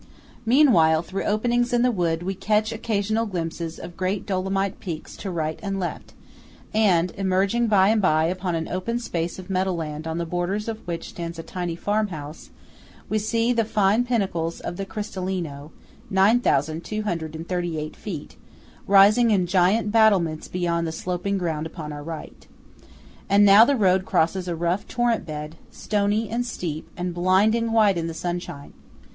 Meanwhile, through openings in the wood, we catch occasional glimpses of great Dolomite peaks to right and left, and, emerging by and by upon an open space of meadow land on the borders of which stands a tiny farmhouse, we see the fine pinnacles of the Cristallino (9,238 feet) rising in giant battlements beyond the sloping ground upon our right. And now the road crosses a rough torrent bed, stony, and steep, and blinding white in the sunshine.